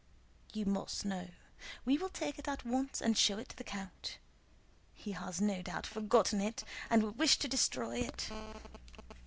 You must know. We will take it at once and show it to the count. He has, no doubt, forgotten it and will wish to destroy it.